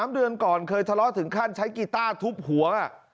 ๓เดือนก่อนเคยทะเลาะถึงขั้นใช้กีต้าทุบหัว